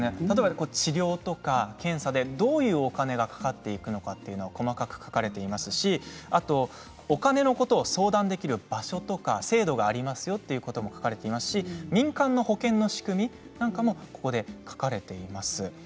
治療とか検査でどういうお金がかかっていくのかというのが細かく書かれていますしお金のことを相談できる場所とか制度がありますよということも書かれていますし民間の保険の仕組みなんかもここで書かれています。